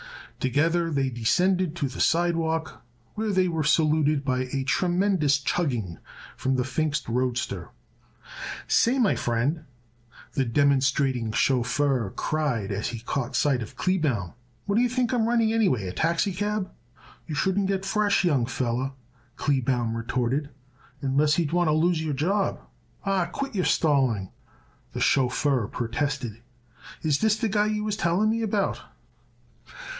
Together they descended to the sidewalk where they were saluted by a tremendous chugging from the Pfingst roadster. "Say, my friend," the demonstrating chauffeur cried as he caught sight of Kleebaum, "what d'ye think I'm running anyway? A taxicab?" "You shouldn't get fresh, young feller," Kleebaum retorted, "unless you would want to lose your job." "Aw, quit your stalling," the chauffeur protested. "Is this the guy you was telling me about?"